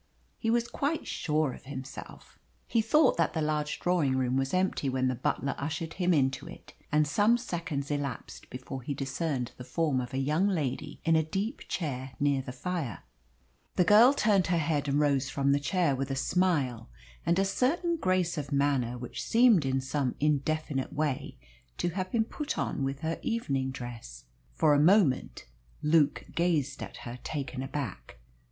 He was quite sure of himself. He thought that the large drawing room was empty when the butler ushered him into it, and some seconds elapsed before he discerned the form of a young lady in a deep chair near the fire. The girl turned her head and rose from the chair with a smile and a certain grace of manner which seemed in some indefinite way to have been put on with her evening dress. For a moment Luke gazed at her, taken aback.